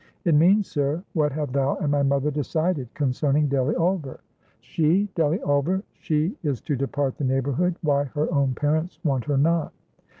"It means, sir, what have thou and my mother decided concerning Delly Ulver." "She? Delly Ulver? She is to depart the neighborhood; why, her own parents want her not."